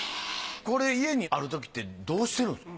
これ家にあるときってどうしてるんですか？